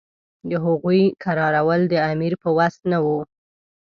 د هغوی کرارول د امیر په وس نه وو.